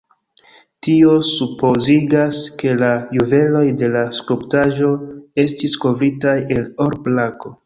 Tio supozigas, ke la juveloj de la skulptaĵo estis kovritaj el or-plako.